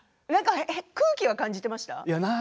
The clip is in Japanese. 空気は感じていました？